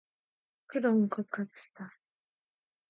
그런 것 같아.